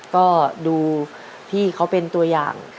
ก็ดูพี่เขาเป็นตัวอย่าง